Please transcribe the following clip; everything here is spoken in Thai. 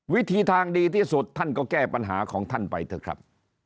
วิธีทางดีที่สุดท่านก็แก้ปัญหาของท่านไปเถอะครับ